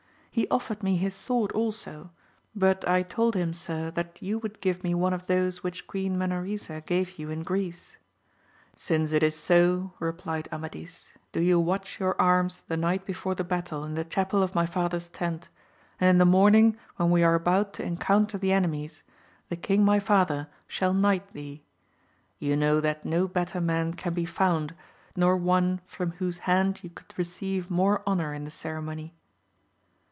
He offered me his sword also ; but I told him, sir, that you would give me one of those which Queen Menoresa gave you in Greece. Since it 172 . AMADIS OF GAUL is so, replied Amadis, do you watch your arms the night before the battle in the chapel of my father's tent ; and in the morning when we are about to en counter the enemies, the king my father shall knight thee : you know that no better man can be found, nor one from whose hand you could receive more honour in the ceremony.